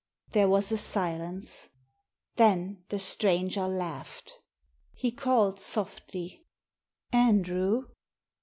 There was a silence. Then the stranger laughed. He called softly — •'Andrew!"